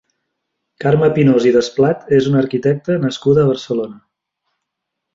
Carme Pinós i Desplat és una arquitecta nascuda a Barcelona.